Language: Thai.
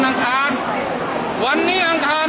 ต้องรับต่อที่ต่างต่าง